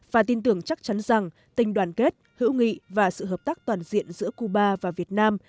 và tin tưởng chắc chắn rằng tình đoàn kết hữu nghị và sự hợp tác toàn diện giữa cuba và việt nam